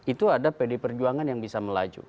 itu ada pd perjuangan yang bisa melaju